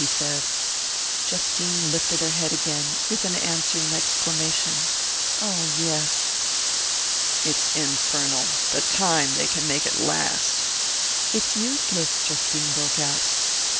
he said. Justine lifted her head again, with an answering exclamation. "Oh, yes!" "It's infernal the time they can make it last." "It's useless!" Justine broke out.